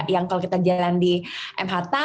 yang kalau kita jalan di mh tiga